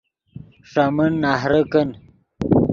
ݰے من نہرے کن